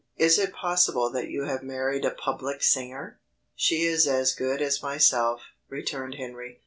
Is it possible that you have married a public singer?" "She is as good as myself," returned Henry.